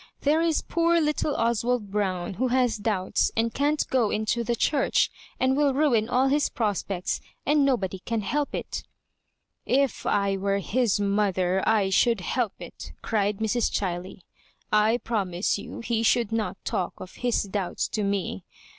There is poor lit tle Oswald Brown, who has doubts, and can't go into the Church, and will ruin all his prospects^ and nobody can help it "" If I were his mother, I should help it," cried Mrs. Chiley. " I promise you he should not talk of his doubts to me.